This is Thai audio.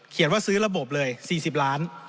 ว่าซื้อระบบเลย๔๐ล้าน